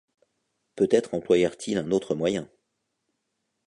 Peut-être employèrent-ils un autre moyen.